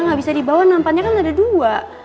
gak bisa dibawa nampaknya kan ada dua